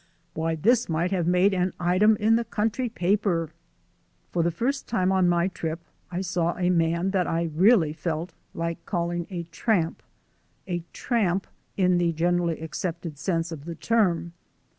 Why, this might have made an item in the country paper! For the first time on my trip I saw a man that I really felt like calling a tramp a tramp in the generally accepted sense of the term.